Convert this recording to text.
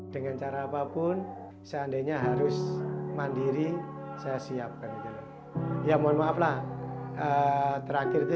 dengan cara apapun seandainya harus mandiri saya siapkan ya mohon maaflah terakhir itu